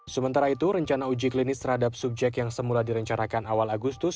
sementara itu rencana uji klinis terhadap subjek yang semula direncanakan awal agustus